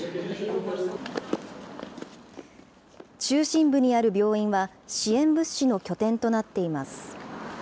中心部にある病院は、支援物資の拠点となっています。